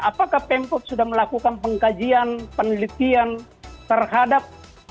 apakah pemkot sudah melakukan pengkajian penelitian terhadap